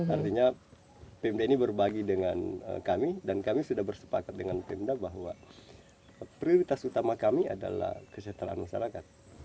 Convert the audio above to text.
artinya pemda ini berbagi dengan kami dan kami sudah bersepakat dengan pemda bahwa prioritas utama kami adalah kesejahteraan masyarakat